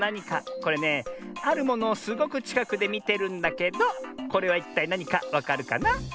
これねあるものをすごくちかくでみてるんだけどこれはいったいなにかわかるかな？